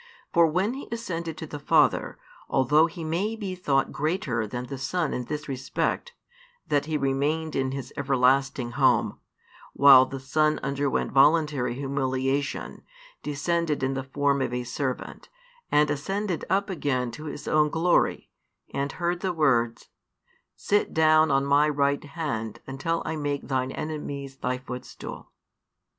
For when He ascended to the Father, although He may be thought greater than the Son in this respect, that He remained in His everlasting home, while the Son underwent voluntary humiliation, and descended in the form of a servant, and ascended up again to His own glory, and heard the words: Sit down on My right hand until I make Thine enemies Thy footstool.